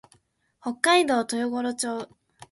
北海道豊頃町